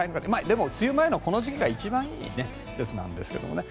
でも、梅雨前のこの時期が一番いい季節なんですけどね。